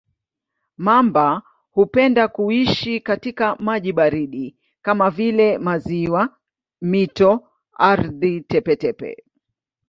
Mamba hupenda kuishi katika maji baridi kama vile maziwa, mito, ardhi tepe-tepe.